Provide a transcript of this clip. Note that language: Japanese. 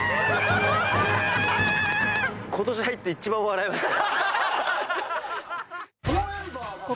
ことし入って一番笑いました。